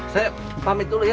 saya pamit dulu ya